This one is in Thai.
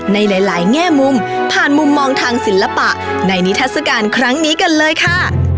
ในหลายแง่มุมผ่านมุมมองทางศิลปะในนิทัศกาลครั้งนี้กันเลยค่ะ